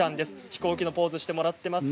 飛行機のポーズをしてもらっています。